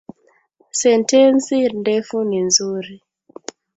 Sentensi ndefu ni nzuri